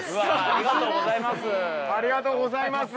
ありがとうございます。